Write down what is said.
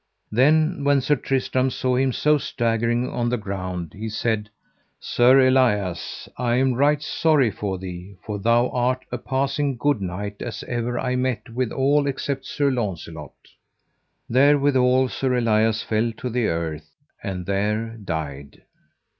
Then when Sir Tristram saw him so staggering on the ground, he said: Sir Elias, I am right sorry for thee, for thou art a passing good knight as ever I met withal, except Sir Launcelot. Therewithal Sir Elias fell to the earth, and there died.